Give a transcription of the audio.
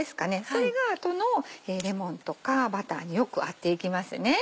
それが後のレモンとかバターによく合っていきますね。